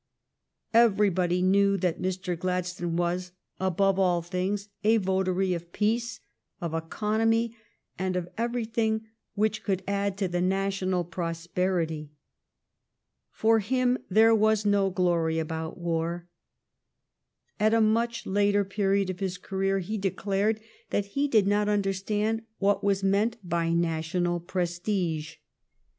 Everybody knew that Mr. Gladstone was, above all things, a votary of peace, of economy, and of everything which could add to the national prosperity. For him there was no glory about war. At a much later period of his career he declared that he did not understand what was meant by national prestige.